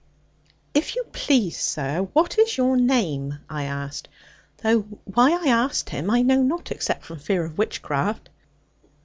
'If you please, sir, what is your name?' I asked; though why I asked him I know not, except from fear of witchcraft.